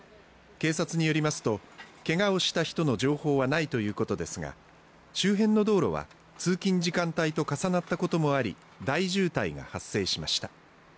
警察によりますと怪我をした人の情報はないということですが周辺の道路は通勤時間帯と重なったこともあり大渋滞が発生しました。